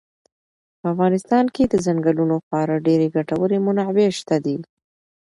په افغانستان کې د ځنګلونو خورا ډېرې ګټورې منابع شته دي.